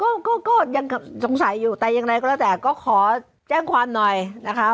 ก็ก็ยังสงสัยอยู่แต่ยังไงก็แล้วแต่ก็ขอแจ้งความหน่อยนะคะ